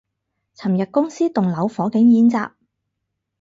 尋日公司棟樓火警演習